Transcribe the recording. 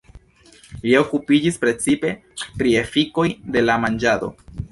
Li okupiĝis precipe pri efikoj de la manĝado.